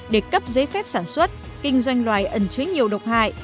để cấp giấy phép sản xuất kinh doanh loài ẩn chứa nhiều độc hại